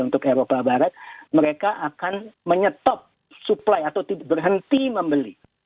untuk eropa barat mereka akan menyetop supply atau berhenti membeli